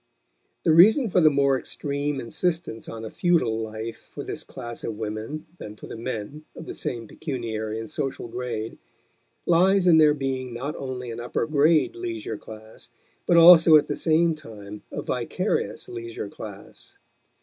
The reason for the more extreme insistence on a futile life for this class of women than for the men of the same pecuniary and social grade lies in their being not only an upper grade leisure class but also at the same time a vicarious leisure class.